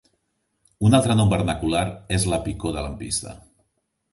Un altre nom vernacular és la picor de lampista.